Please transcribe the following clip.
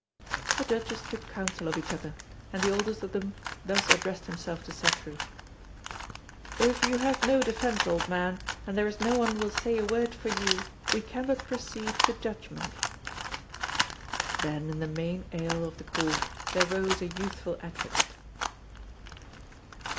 The Judges took counsel of each other, and the oldest of them thus addressed himself to Cethru: "If you have no defence, old man, and there is no one will say a word for you, we can but proceed to judgment." Then in the main aisle of the Court there rose a youthful advocate.